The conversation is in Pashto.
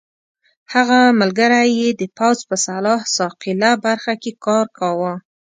هغه ملګری یې د پوځ په سلاح ساقېله برخه کې کار کاوه.